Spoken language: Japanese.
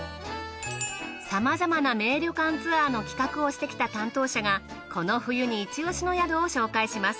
さまざまな名旅館ツアーの企画をしてきた担当者がこの冬にイチオシの宿を紹介します。